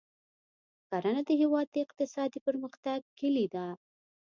کرنه د هېواد د اقتصادي پرمختګ کلي ده.